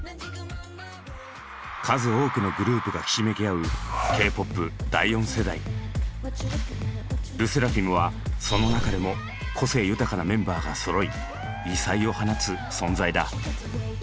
数多くのグループがひしめき合うＬＥＳＳＥＲＡＦＩＭはその中でも個性豊かなメンバーがそろい異彩を放つ存在だ。